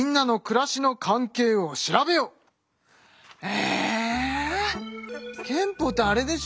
え憲法ってあれでしょ。